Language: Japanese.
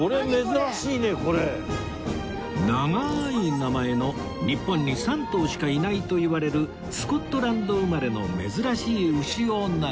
長い名前の日本に３頭しかいないといわれるスコットランド生まれの珍しい牛を眺めながら